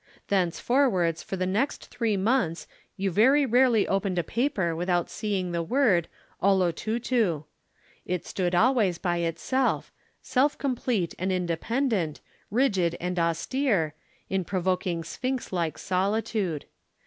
Thenceforwards for the next three months you very rarely opened a paper without seeing the word, "Olotutu." It stood always by itself, self complete and independent, rigid and austere, in provoking sphynx like solitude.